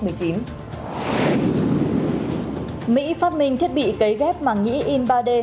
mỹ phát minh thiết bị cấy ghép mà nghĩ in ba d